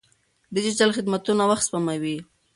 ډیجیټل خدمتونه وخت سپموي.